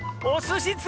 おすし！